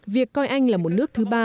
việc coi anh là một nước thứ ba